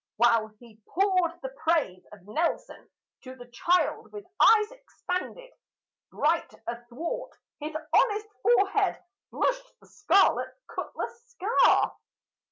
While he poured the praise of Nelson to the child with eyes expanded, Bright athwart his honest forehead blushed the scarlet cutlass scar.